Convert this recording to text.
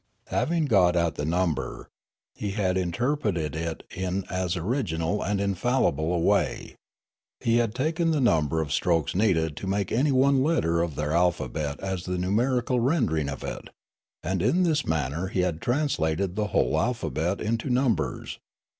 " Having got at the number, he had interpreted it in as original and infallible a way. He had taken the number of strokes needed to make any one letter of their alphabet as the numerical rendering of it, and in this manner he had translated the whole alphabet into numbers.